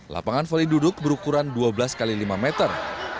lapangan volley duduk berukuran dua belas x lima meter